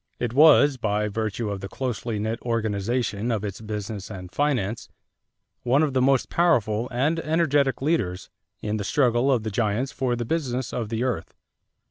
It was, by virtue of the closely knit organization of its business and finance, one of the most powerful and energetic leaders in the struggle of the giants for the business of the earth.